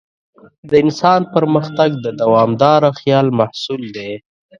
د انسان پرمختګ د دوامداره خیال محصول دی.